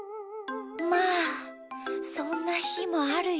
まあそんなひもあるよ。